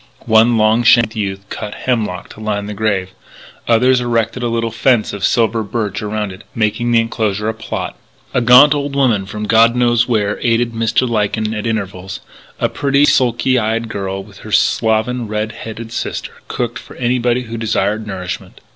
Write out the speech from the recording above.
One long shanked youth cut hemlock to line the grave; others erected a little fence of silver birch around it, making of the enclosure a "plot." A gaunt old woman from God knows where aided Mr. Lyken at intervals: a pretty, sulky eyed girl with her slovenly, red headed sister cooked for anybody who desired nourishment.